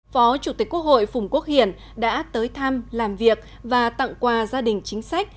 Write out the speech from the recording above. phó chủ tịch quốc hội phùng quốc hiển đã tới thăm làm việc và tặng quà gia đình chính sách